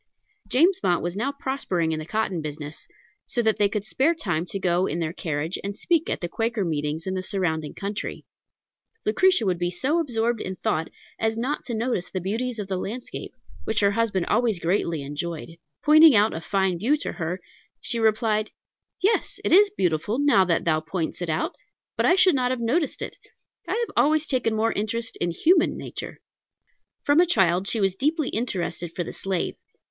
James Mott was now prospering in the cotton business, so that they could spare time to go in their carriage and speak at the Quaker meetings in the surrounding country. Lucretia would be so absorbed in thought as not to notice the beauties of the landscape, which her husband always greatly enjoyed. Pointing out a fine view to her, she replied, "Yes, it is beautiful, now that thou points it out, but I should not have noticed it. I have always taken more interest in human nature." From a child she was deeply interested for the slave.